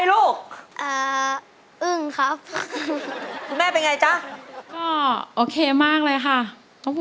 อย่าทิ้งฉันไว้คนเดียว